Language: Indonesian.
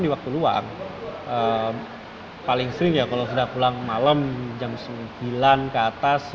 di waktu luang paling sering ya kalau sudah pulang malam jam sembilan ke atas